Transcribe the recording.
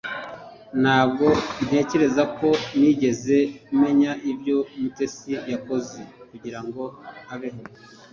Ntabwo ntekereza ko nigeze menya ibyo Mutesi yakoze kugirango abeho